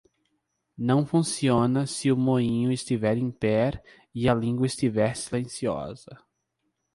Não funciona se o moinho estiver em pé e a língua estiver silenciosa.